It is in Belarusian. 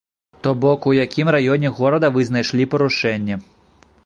То бок у якім раёне горада вы знайшлі парушэнне.